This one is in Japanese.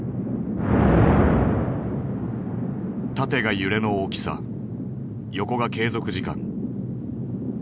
縦が揺れの大きさ横が継続時間。